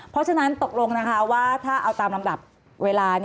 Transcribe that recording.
เพราะฉะนั้นตกลงนะคะว่าถ้าเอาตามลำดับเวลา